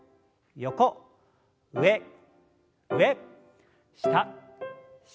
上上下下。